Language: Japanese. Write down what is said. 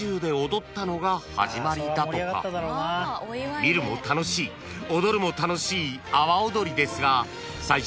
［見るも楽しい踊るも楽しい阿波おどりですが］